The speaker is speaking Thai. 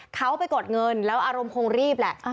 เขาไปกดเงินแล้วอารมณ์คงรีบแหละ